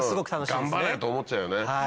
頑張れ！と思っちゃうよね。